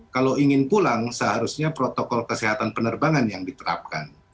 kalau ingin pulang seharusnya protokol kesehatan penerbangan yang diterapkan